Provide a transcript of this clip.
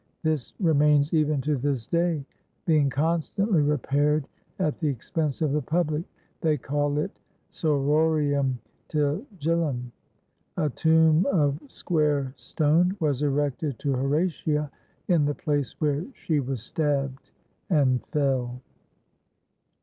This remains even to this day, being constantly repaired at the expense of the public; they call it Sororium Tigillum. A tomb of square stone was erected to Horatia in the place where she was stabbed and fell.